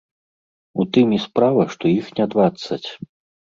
У тым і справа, што іх не дваццаць.